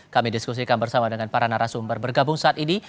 kami diskusikan bersama dengan para narasumber bergabung saat ini